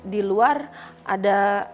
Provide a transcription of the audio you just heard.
di luar ada